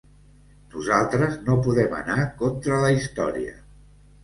Nosaltres no podem anar contra la història.